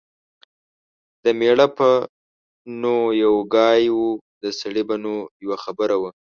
د مېړه به نو یو ګای و . د سړي به نو یوه خبره وه